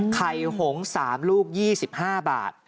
ไข่หง๓ลูก๒๕บาท